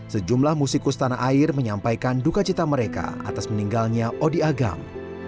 sejumlah musikus tanah air menyampaikan duka cita mereka atas meninggalnya odi agam